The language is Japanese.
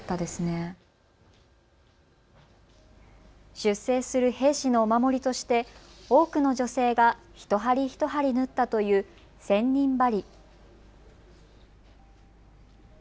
出征する兵士のお守りとして多くの女性が一針一針縫ったという千人針。